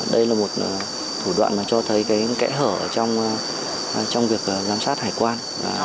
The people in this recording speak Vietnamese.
đây là một thủ đoạn mà cho thấy cái kẽ hở trong việc giám sát hải quan